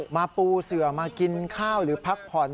ปูเสือมากินข้าวหรือพักผ่อน